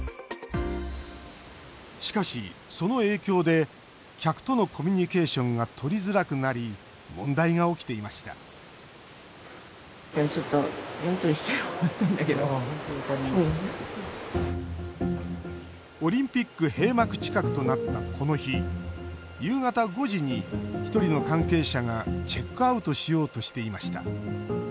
しかし、その影響で客とのコミュニケーションがとりづらくなり問題が起きていましたオリンピック閉幕近くとなったこの日夕方５時に１人の関係者がチェックアウトしようとしていました。